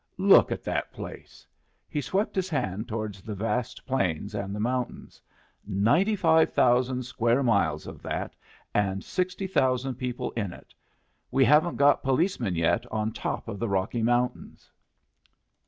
"Look at that place!" He swept his hand towards the vast plains and the mountains. "Ninety five thousand square miles of that, and sixty thousand people in it. We haven't got policemen yet on top of the Rocky Mountains."